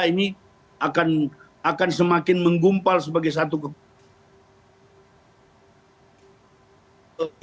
ini akan semakin menggumpal sebagai satu kekuatan